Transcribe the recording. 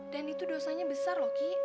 dan itu dosanya besar loh ki